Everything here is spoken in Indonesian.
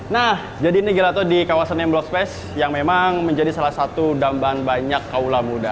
nah jadi ini gelato di kawasan m block space yang memang menjadi salah satu damban banyak kaula muda